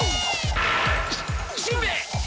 ししんべヱ！